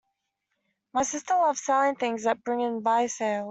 My sister loves selling things at Bring and Buy sales